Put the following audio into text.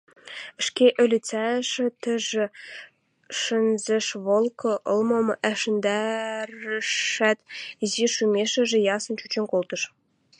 Ӹшке ӧлицӓштӹжӹ шӹнзӹшволкы ылмым ӓшӹндӓрӹшӓт, изи шӱмешӹжӹ ясын чучын колтыш.